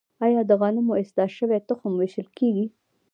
آیا د غنمو اصلاح شوی تخم ویشل کیږي؟